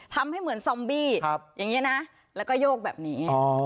ทำให้เหมือนซอมบี้อย่างนี้นะแล้วก็โยกแบบนี้